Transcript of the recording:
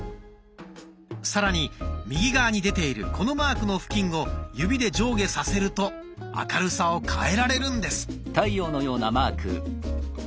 さらに右側に出ているこのマークの付近を指で上下させると明るさを変えられるんです。